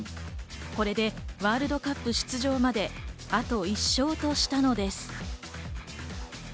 これでワールドカップ出場まであと１勝としたのです。